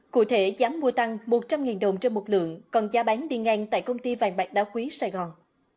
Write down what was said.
cụ thể giá mua tăng một trăm linh đồng cho một lượng còn giá bán đi ngang tại công ty vàng bạc đá quý sài gòn